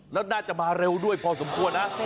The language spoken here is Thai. แล้วน่าจะมาเร็วด้วยพอสมควรนะ